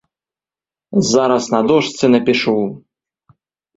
Зараз на дошцы напішу!